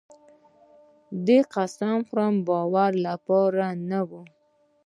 آیا د قسم خوړل د باور لپاره نه وي؟